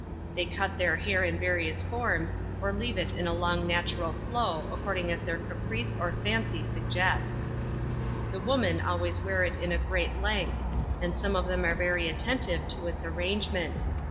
They cut their hair in various forms, or leave it in a long natural flow, according as their caprice or tancy suggests. The woman always wear it in a great length; and some of them are very attentive to its arrangement.